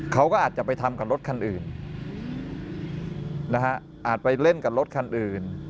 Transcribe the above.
เขาก็อาจจะไปทำกับรถคันอื่นนะฮะอาจไปเล่นกับรถคันอื่น